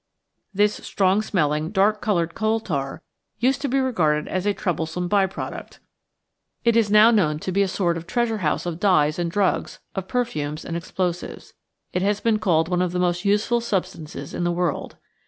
This strong smelling, dark coloured coal tar used to be regarded as a troublesome by 748 The Outline of Science product; it is now known to be a sort of treasure house of dyes and drugs, of perfumes and explosives. It has been called one of the most useful substances in the world.